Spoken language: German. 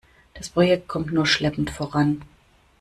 Das Projekt kommt nur schleppend voran.